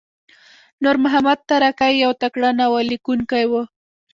نورمحمد ترهکی یو تکړه ناوللیکونکی وو.